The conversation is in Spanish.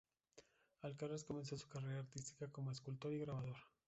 Alcaraz comenzó su carrera artística como escultor y grabador.